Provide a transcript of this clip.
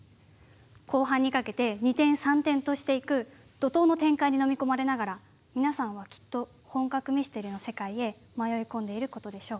後半にかけて二転三転としていく怒濤の展開にのみ込まれながら皆さんはきっと本格ミステリの世界へ迷い込んでいることでしょう。